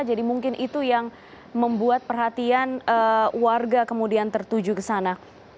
jadi mungkin itu yang membuat perhatian warga kemudian tertuju ke sana